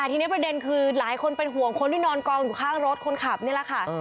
ทีนี้ประเด็นคือหลายคนเป็นห่วงคนที่นอนกองอยู่ข้างรถคนขับนี่แหละค่ะ